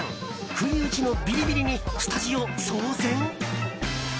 不意打ちのビリビリにスタジオ騒然？